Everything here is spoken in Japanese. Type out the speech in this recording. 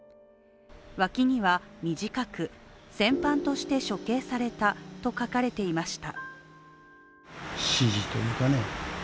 脇には短く、「戦犯として処刑された」と書かれていました。